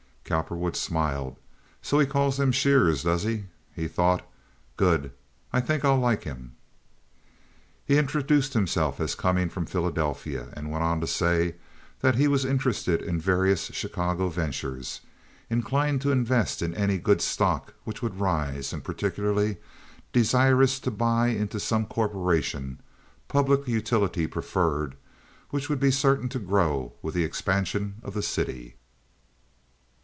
Cowperwood smiled. "So he calls them 'sheers,' does he?" he thought. "Good! I think I'll like him." He introduced himself as coming from Philadelphia, and went on to say that he was interested in various Chicago ventures, inclined to invest in any good stock which would rise, and particularly desirous to buy into some corporation—public utility preferred—which would be certain to grow with the expansion of the city.